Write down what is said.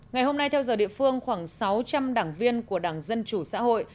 ngày hôm nay theo giờ địa phương khoảng sáu trăm linh đảng viên của đảng dân chủ xã hội